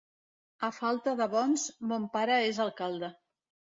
A falta de bons, mon pare és alcalde.